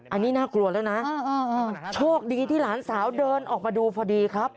อันนี้น่ากลัวแล้วนะโชคดีที่หลานสาวเดินออกมาดูพอดีครับ